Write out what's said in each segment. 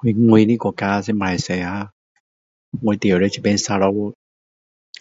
我的国家是马来西亚我住的这边Sarawak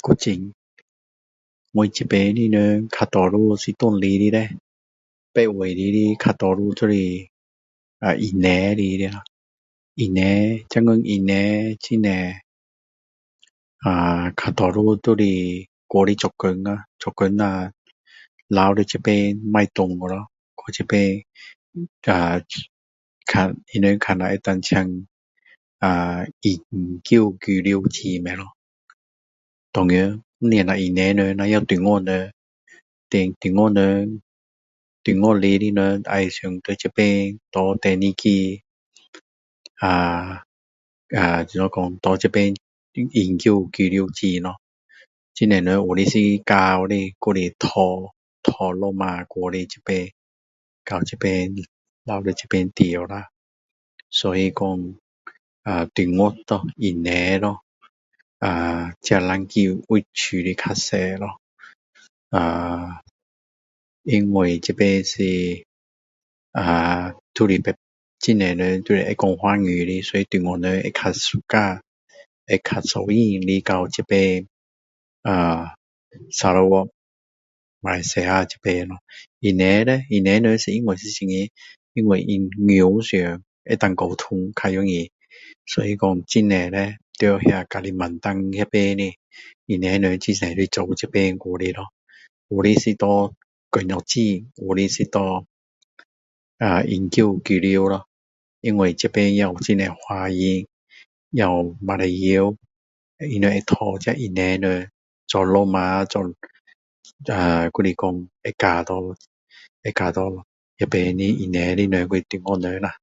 古晋我这边的人大多数是哪路来的叻别的地方来的大多数就是印尼来的印尼现在印尼很多呃大多数都是过来做工啦做工下留在这边不要回在这边呃他们看下能够申请呃yuan永久居留权吗咯当然不只印尼人也有中国人then 中国人中国来的人也想在这边拿第二个呃怎样讲永久拘留权咯很多人是嫁过来的还是娶老婆过来的这边到这边下来这边住啦所以说的呃中国咯印尼咯呃这两个地方比较多咯呃因为这边是呃很多人都会说华语的所以中国人会比较喜欢来这边呃Sarawak 马来西亚这边咯印尼叻印尼人书比较容易所以说很多叻在那个kalimantan 那边的印尼人很多都来这边来咯过来是拿工作证有的是拿永久居留权因为这边也有很多华人也有马来人他们会娶这些印尼人做老婆还是说还是说会嫁给那边印尼人还是中国人啦